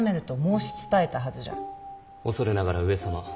恐れながら上様。